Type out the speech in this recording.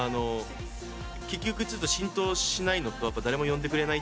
結局浸透しないのと誰も呼んでくれないというので。